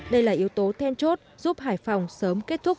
đây là yếu tố then chốt giúp hải phòng sớm kết thúc